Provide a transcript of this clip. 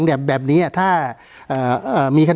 การแสดงความคิดเห็น